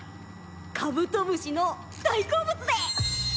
カブトムシの大好物で！